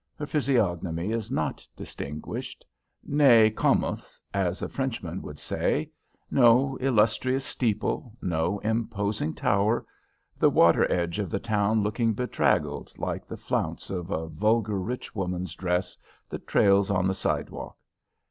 Her physiognomy is not distinguished; nez camus, as a Frenchman would say; no illustrious steeple, no imposing tower; the water edge of the town looking bedraggled, like the flounce of a vulgar rich woman's dress that trails on the sidewalk.